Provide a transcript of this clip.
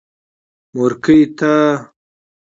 مورکۍ تا.